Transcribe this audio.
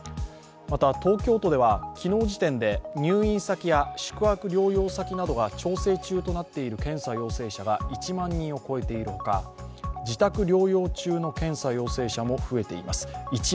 また、東京都では昨日時点で入院先や宿泊療養先などが調整中となっている検査陽性者が１万人を超えている他、自宅療養中の検査陽性者も増えています。